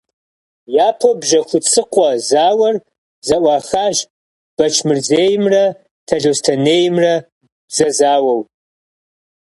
Япэу Бжьэхуцыкъуэ зауэр зэӀуахащ Бэчмырзеймрэ Талъостэнеймрэ зэзауэу.